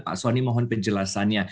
pak sonny mohon penjelasannya